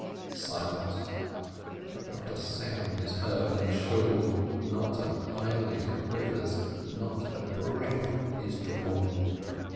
Silence. Not a sound is heard in the Shool, not an eyelid quivers, not a breath is drawn.